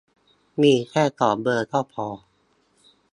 มีแค่สองเบอร์ก็พอ